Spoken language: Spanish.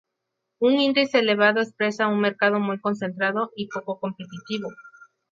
Un índice elevado expresa un mercado muy concentrado y poco competitivo.